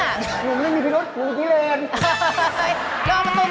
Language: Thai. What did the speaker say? หนูไม่มีพิรุษหนูมีพี่เรน